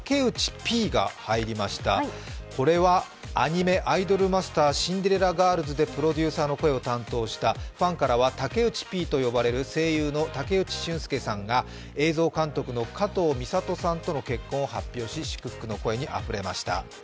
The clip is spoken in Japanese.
これはアニメ「アイドルマスターシンデレラガールズ」でプロデューサーの声を担当したファンからは武内Ｐと呼ばれる声優の武内さんが映像監督のかとうみさとさんとの結婚を発表し祝福の声にあふれました。